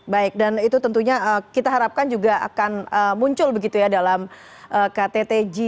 baik dan itu tentunya kita harapkan juga akan muncul begitu ya dalam kttg